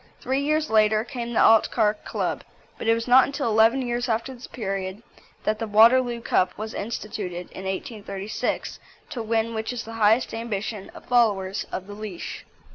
Three years later came the Altcar Club. But it was not until eleven years after this period that the Waterloo Cup was instituted (in 1836), to win which is the highest ambition of followers of the leash.